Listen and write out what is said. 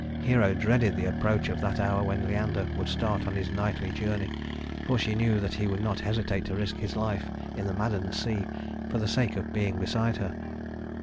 Hero dreaded the approach of that hour when Leander would start on his nightly journey, for she knew that he would not hesitate to risk his life in the maddened sea for the sake of being beside her.